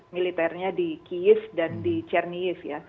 militernya di kyiv dan di chernivtsi ya